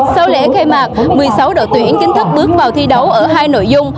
sau lễ khai mạc một mươi sáu đội tuyển chính thức bước vào thi đấu ở hai nội dung